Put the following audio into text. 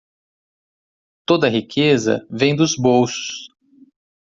Toda a riqueza vem dos bolsos.